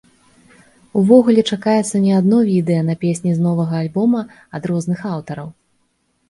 Увогуле, чакаецца не адно відэа на песні з новага альбома ад розных аўтараў.